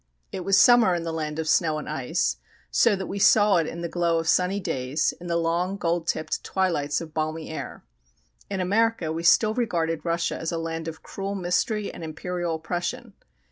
It was summer in the land of snow and ice, so that we saw it in the glow of sunny days, in the long gold tipped twilights of balmy air. In America we still regarded Russia as a land of cruel mystery and imperial oppression.